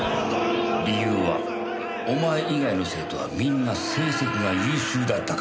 理由はお前以外の生徒はみんな成績が優秀だったからだ。